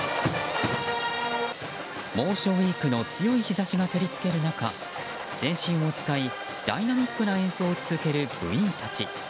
猛暑ウィークの強い日差しが照り付ける中全身を使い、ダイナミックな演奏を続ける部員たち。